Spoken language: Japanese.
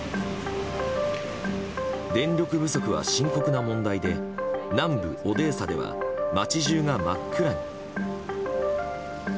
電力不足は深刻な問題で南部オデーサでは街中が真っ暗に。